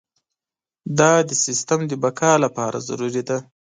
دا د سیستم د بقا لپاره ضروري ده.